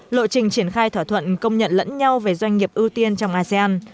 lộ trình triển khai thỏa thuận công nhận lẫn nhau về doanh nghiệp ưu tiên trong asean